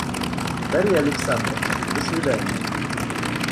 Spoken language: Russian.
Дарья Александровна, до свиданья.